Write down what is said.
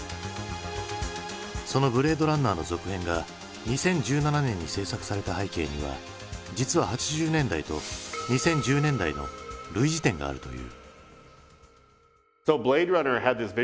その「ブレードランナー」の続編が２０１７年に製作された背景には実は８０年代と２０１０年代の類似点があるという。